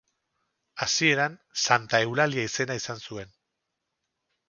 Hasieran Santa Eulalia izena izan zuen.